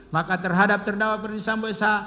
maka terhadap terdakwa perdisambo sh